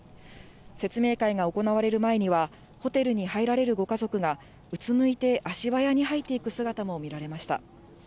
説明会が行われる前には、ホテルに入られるご家族がうつむいて足早に入っていく姿も見られました。